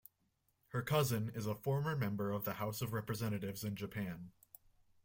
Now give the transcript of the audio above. Her cousin is a former member of the House of Representatives in Japan.